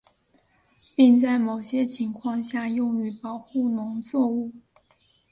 并在某些情况下用于保护农作物。